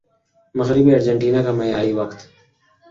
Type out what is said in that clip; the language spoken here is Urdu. مغربی ارجنٹینا کا معیاری وقت